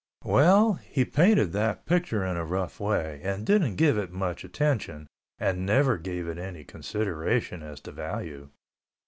Well, he painted that picture in a rough way and didn't give it much attention and never gave it any consideration as to value.